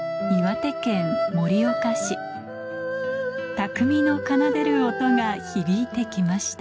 匠の奏でる音が響いて来ました